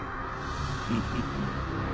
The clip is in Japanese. フフフ。